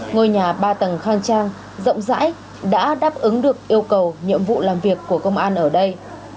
ngôi nhà ba tầng khang trang rộng rãi đã đáp ứng được yêu cầu nhiệm vụ làm việc của công an ở đây